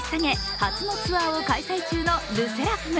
初のツアーを開催中のＬＥＳＳＥＲＡＦＩＭ。